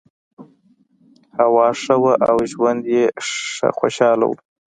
هوا ښه وه او ژوند یې خوشحاله و.